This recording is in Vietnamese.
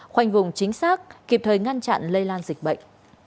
khoanh vùng chính xác kịp thời ngăn chặn lây lan dịch bệnh